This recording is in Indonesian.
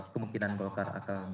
kemungkinan golkar akan